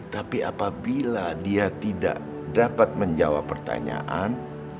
tapi apabila dia tidak dapat menjawab pertanyaan